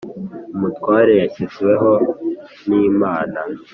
Umutware yashyizweho n ‘Imana